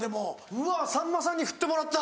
うわさんまさんにふってもらった！